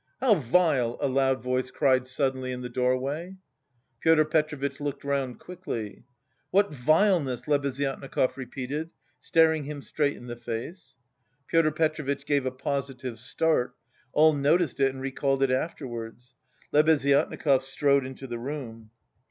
"How vile!" a loud voice cried suddenly in the doorway. Pyotr Petrovitch looked round quickly. "What vileness!" Lebeziatnikov repeated, staring him straight in the face. Pyotr Petrovitch gave a positive start all noticed it and recalled it afterwards. Lebeziatnikov strode into the room.